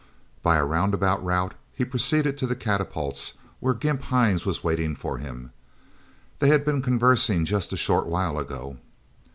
By a round about route he proceeded to the catapults, where Gimp Hines was waiting for him. They had been conversing just a short while ago.